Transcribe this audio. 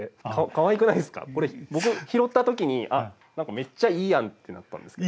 これ僕拾った時にあっ何かめっちゃいいやんってなったんですけど。